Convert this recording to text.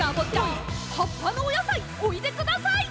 「」「葉っぱのお野菜おいでください！」